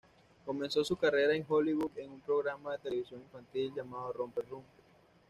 Comenzó su carrera en Hollywood en un programa de televisión infantil llamado "Romper Room".